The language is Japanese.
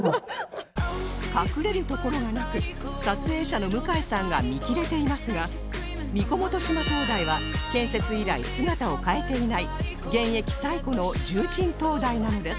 隠れる所がなく撮影者の向井さんが見切れていますが神子元島灯台は建設以来姿を変えていない現役最古の重鎮灯台なのです